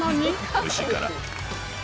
おいしいから。